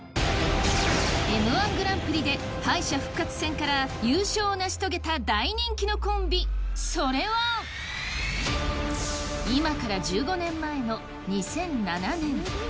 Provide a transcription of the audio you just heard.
Ｍ−１グランプリで敗者復活戦から優勝を成し遂げた大人気のコンビ、それは今から１５年前の２００７年。